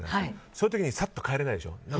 そういう時にサッと帰れないでしょ。